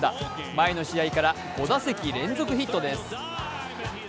前の試合から５打席連続ヒットです